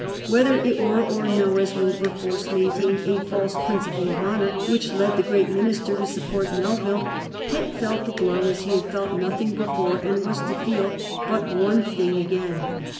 Whether it were or no, as Wilberforce maintained, a "false principle of honor" which led the great minister to support Melville, Pitt felt the blow as he had felt nothing before and was to feel but one thing again.